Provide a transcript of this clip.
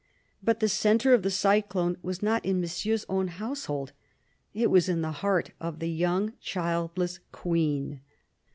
But the centre of the cyclone was not in Monsieur's own household : it was in the heart of the young childless Queen.